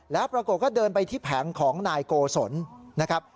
แล้วปรากฏก็เดินไปที่แผงของนายโกศลนะครับ